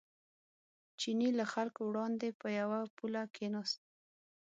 چیني له خلکو وړاندې په یوه پوله کېناست.